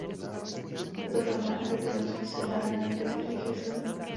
Tato forma efektivnosti se dá na některých trzích vysledovat.